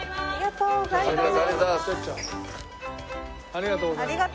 ありがとうございます。